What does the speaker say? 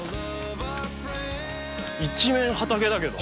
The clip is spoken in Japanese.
一面畑だけど。